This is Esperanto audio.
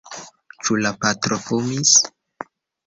Ĉu la patro fumis?